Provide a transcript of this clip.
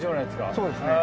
そうですね。